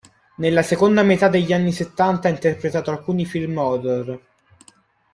Nella seconda metà degli anni settanta ha interpretato alcuni film horror.